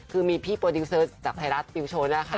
คือมีพี่โปรดิวเซิร์ชจากไทยรัฐฟิวโชว์นะคะ